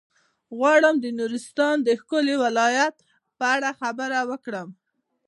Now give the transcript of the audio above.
غواړم د نورستان د ښکلي ولايت په اړه خبرې وکړم.